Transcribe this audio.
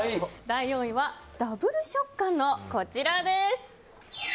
第４位はダブル食感のこちらです。